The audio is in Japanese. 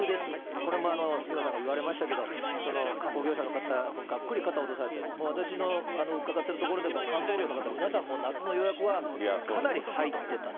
これも杉村さんが言われましたけど、観光業者の方、がっくり肩を落とされてる、もう私の伺ってる所でも、観光業の方、皆さん夏の予約はかなり入ってたと。